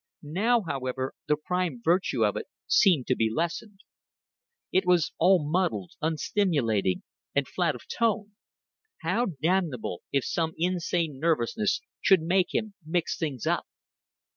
Now, however, the prime virtue of it seemed to be lessened: it was all muddled, unstimulating, and flat of tone. How damnable if some insane nervousness should make him mix things up!